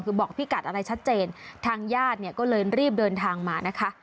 คือบอกพี่กัดอะไรชัดเจนทางญาติเนี่ยก็เลยรีบเดินทางมานะคะ